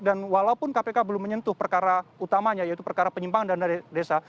dan walaupun kpk belum menyentuh perkara utamanya yaitu perkara penyimpangan dana desa